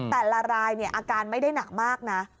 แต่ละรายอาการไม่ได้หนักมากนะ